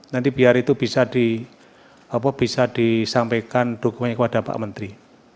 nanti biar itu bisa disampaikan dukungannya kepada pak menteri